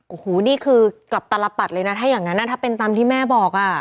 โอ้โหนี่คือกลับตลปัดเลยนะถ้าอย่างนั้นถ้าเป็นตามที่แม่บอกอ่ะ